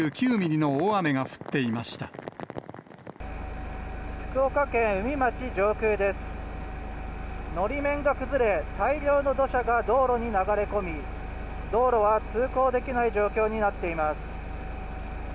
のり面が崩れ、大量の土砂が道路に流れ込み、道路は通行できない状況になっています。